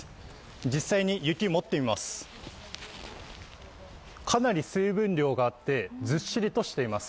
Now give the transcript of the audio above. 実際に雪持ってみます。